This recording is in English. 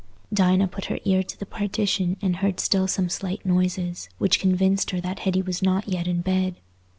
Dinah put her ear to the partition and heard still some slight noises, which convinced her that Hetty was not yet in bed.